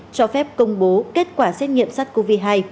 cho phép công bố kết quả xét nghiệm sars cov hai